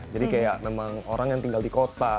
jadi kayak memang orang yang tinggal di kota